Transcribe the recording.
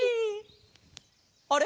あれ？